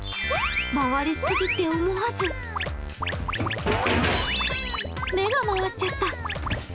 回りすぎて思わず目が回っちゃった。